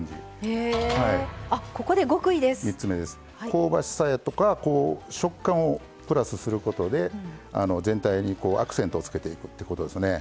香ばしさとか食感をプラスすることで全体にアクセントをつけていくってことですね。